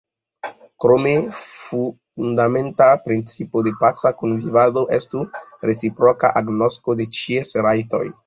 Krome, fundamenta principo de paca kunvivado estu reciproka agnosko de ĉies rajtoj.